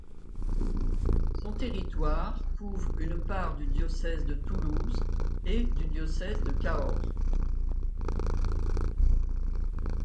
Son territoire couvre une part du diocèse de Toulouse et du diocèse de Cahors.